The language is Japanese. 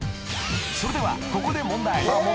［それではここで］